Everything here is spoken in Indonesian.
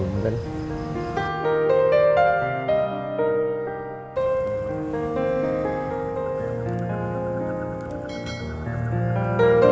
kalau bener dengan seorang kak province